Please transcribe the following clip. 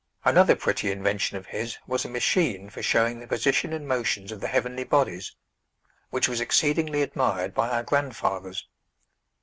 Another pretty invention of his was a machine for showing the position and motions of the heavenly bodies, which was exceedingly admired by our grandfathers.